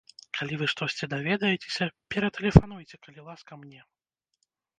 Калі вы штосьці даведаецеся, ператэлефануйце, калі ласка, мне.